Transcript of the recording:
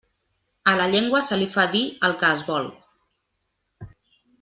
A la llengua se li fa dir el que es vol.